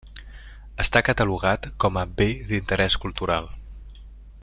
Està catalogat com a Bé d'interès cultural.